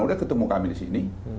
udah ketemu kami di sini